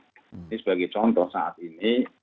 ini sebagai contoh saat ini